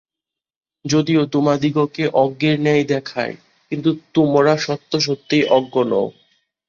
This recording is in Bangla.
যদিও তোমাদিগকে অজ্ঞের ন্যায় দেখায়, কিন্তু তোমরা সত্য সত্যই অজ্ঞ নও।